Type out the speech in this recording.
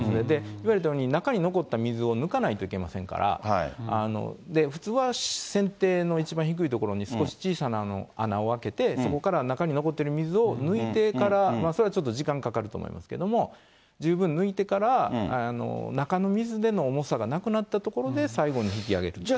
今言われたように、中に残った水を抜かないといけませんから、普通は船底の一番低い所に少し小さな穴を開けて、そこから中に残ってる水を抜いてから、それはちょっと時間がかかると思いますけども、十分抜いてから、中の水での重さがなくなったところで、最後に引き揚げるという。